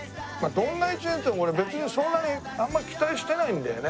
どんな１年って俺別にそんなにあんま期待してないんだよね。